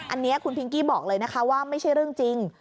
อันนี้คุณพิงกี้บอกเลยนะคะว่าไม่ใช่เรื่องจริง